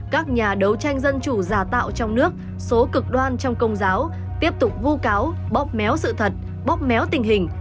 các nhà đấu tranh dân chủ giả tạo trong nước số cực đoan trong công giáo tiếp tục vu cáo bóp méo sự thật bóc méo tình hình